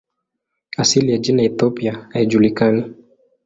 Asili ya jina "Ethiopia" haijulikani.